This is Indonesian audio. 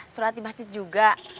surat di masjid juga